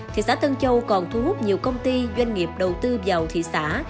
thị xã tân châu còn thu hút nhiều công ty doanh nghiệp đầu tư vào thị xã